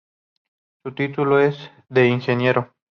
Su título es de ingeniero.